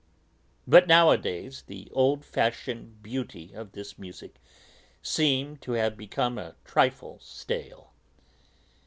But nowadays the old fashioned beauty of this music seemed to have become a trifle stale.